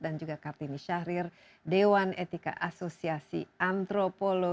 dan juga kapini syahrir dewan etika asosiasi antropologi